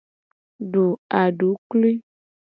Du aduklui.